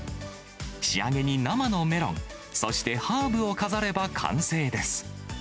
仕上げに生のメロン、そしてハーブを飾れば完成です。